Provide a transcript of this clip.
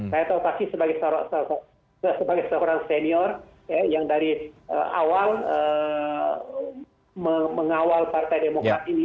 saya tahu pasti sebagai seorang senior yang dari awal mengawal partai demokrat ini